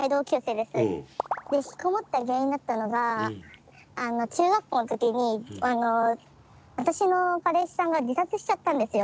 でひきこもった原因になったのが中学校の時に私の彼氏さんが自殺しちゃったんですよ。